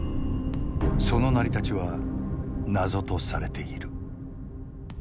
その成り立ちは謎とされている。